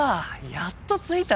やっと着いた。